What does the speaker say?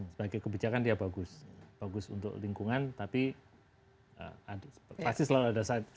sebagai kebijakan dia bagus bagus untuk lingkungan tapi pasti selalu ada saat saat yang terjadi